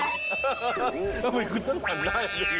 ทำไมคุณต้องหันหน้าอย่างนี้ไม่มองเลย